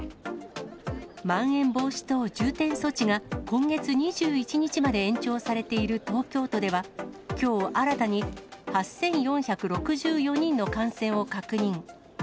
まん延防止等重点措置が今月２１日まで延長されている東京都では、きょう、新たに８４６４人の感染を確認。